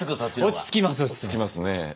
落ち着きます。